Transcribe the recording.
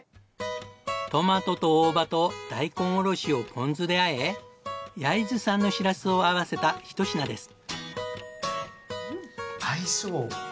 トマトと大葉と大根おろしをポン酢で和え焼津産のシラスを合わせたひと品です。